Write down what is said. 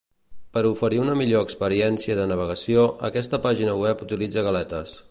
Per oferir una millor experiència de navegació, aquesta pàgina web utilitza galetes.